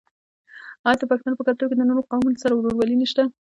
آیا د پښتنو په کلتور کې د نورو قومونو سره ورورولي نشته؟